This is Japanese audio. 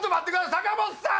坂本さん！